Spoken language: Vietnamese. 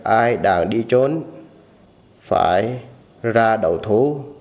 ai đang đi trốn phải ra đậu thú